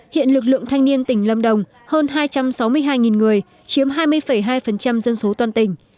hiện lực lượng thanh niên tỉnh lâm đồng hơn hai trăm sáu mươi hai người chiếm hai mươi hai dân số toàn tỉnh